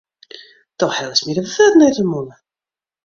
Do hellest my de wurden út de mûle.